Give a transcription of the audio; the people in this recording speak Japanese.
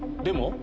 でも？